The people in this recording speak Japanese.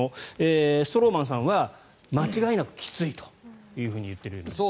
ストローマンさんは間違いなくきついと言っているんですが。